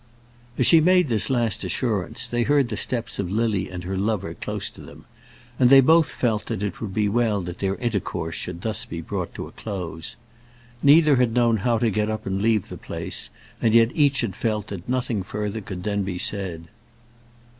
As she made this last assurance, they heard the steps of Lily and her lover close to them, and they both felt that it would be well that their intercourse should thus be brought to a close. Neither had known how to get up and leave the place, and yet each had felt that nothing further could then be said.